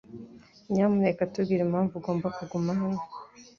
Nyamuneka tubwire impamvu ugomba kuguma hano.